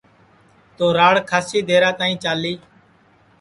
تو راڑ کھاسی درا تائی چالی